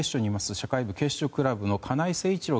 社会部警視庁クラブの金井誠一郎